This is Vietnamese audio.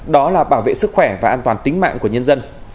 đó là bảo vệ sức khỏe và an toàn tính mạng của nhân dân